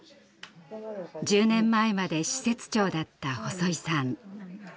１０年前まで施設長だった細井さん。